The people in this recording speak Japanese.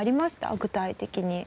具体的に。